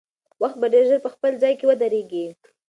وخت به ډېر ژر په خپل ځای کې ودرېږي.